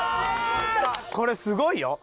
これすごいよ。